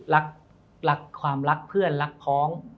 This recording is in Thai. รักความรักเพื่อนรักพ้อง